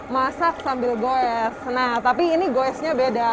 masak sambil goes nah tapi ini goesnya beda